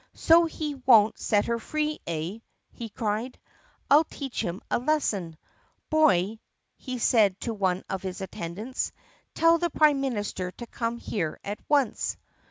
"So he won't set her free, eh?" he cried. "I'll teach him a lesson! Boy," he said to one of his attendants, "tell the prime minister to come here at once!"